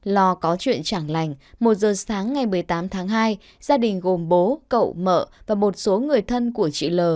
lo có chuyện trảng lành một giờ sáng ngày một mươi tám tháng hai gia đình gồm bố cậu mợ và một số người thân của chị l